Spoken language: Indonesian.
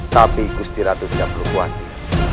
tapi gusti ratu tidak berhubungan